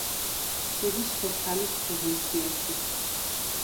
შედის სოფალის პროვინციაში.